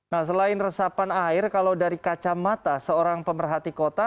nah selain resapan air kalau dari kacamata seorang pemerhati kota